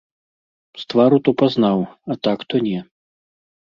З твару то пазнаў, а так то не.